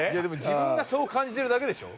自分がそう感じてるだけでしょ？